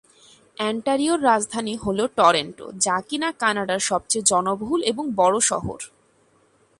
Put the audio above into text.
অন্টারিওর রাজধানী হল টরন্টো, যা কিনা কানাডার সবচেয়ে জনবহুল এবং বড়ো শহর।